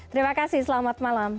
terima kasih selamat malam